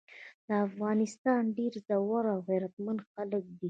د افغانستان ډير زړور او غيرتمن خلګ دي۔